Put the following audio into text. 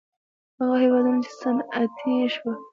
هغه هېوادونه چې صنعتي شول.